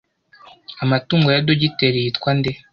Amatungo ya Dogiteri yitwa nde?